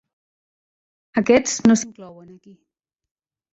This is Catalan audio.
Aquests no s'inclouen aquí.